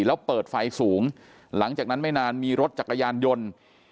แล้วเปิดไฟสูงหลังจากนั้นไม่นานมีรถจักรยานยนต์